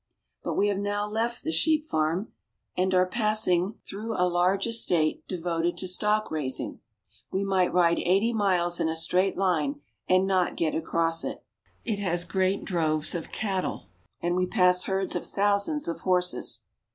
But we have now left the sheep farm and are passing 178 ARGENTINA. through a large estate devoted to stock raising. We might ride eighty miles in a straight line and not get across it. It has great droves of cattle, and we pass herds of thousands of horses.